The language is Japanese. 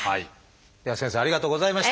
では先生ありがとうございました。